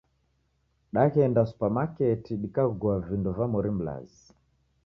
Daghenda supamaketi dikaghua vindo va mori mlazi